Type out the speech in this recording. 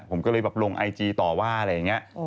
ผมก็เลยแบบลงไอจีต่อว่าอะไรอย่างนี้